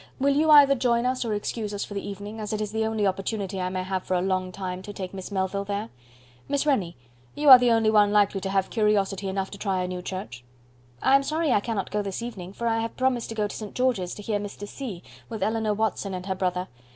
"Will you either join us or excuse us for the evening, as it is the only opportunity I may have for a long time to take Miss Melville there? Miss Rennie, you are the only one likely to have curiosity enough to try a new church." "I am sorry I cannot go this evening, for I have promised to go to St. George's, to hear Mr. C , with Eleanor Watson and her brother.